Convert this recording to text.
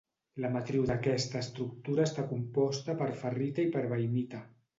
La matriu d'aquesta estructura està composta per ferrita i per bainita.